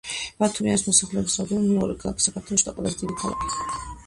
ბათუმი არის მოსახლეობის რაოდენობით მეორე ქალაქი საქართველოში და ყველაზე დიდი ქალაქი